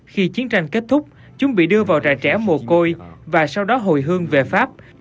khi chiến tranh kết thúc chúng bị đưa vào trại trẻ mồ côi và sau đó hồi hương về pháp